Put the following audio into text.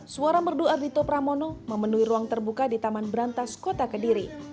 suara merdu ardito pramono memenuhi ruang terbuka di taman berantas kota kediri